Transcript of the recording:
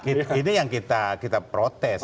ini yang kita protes